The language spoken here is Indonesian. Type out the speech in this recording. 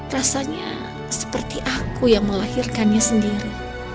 rasanya seperti aku yang melahirkannya sendiri